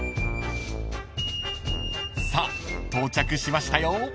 ［さあ到着しましたよ］